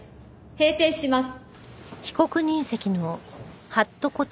閉廷します。